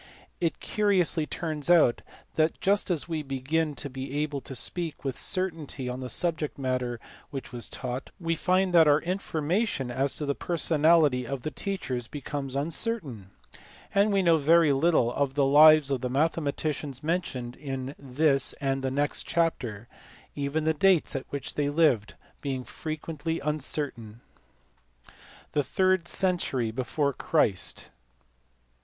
It curiously turns out that just as we begin to be able to speak with certainty on the subject matter which was taught, we find that our information as to the personality of the teachers becomes uncertain; and we know very little of the lives of the mathematicians mentioned in this and the next chapter, even the dates at which they lived being frequently uncertain. The third century before Christ.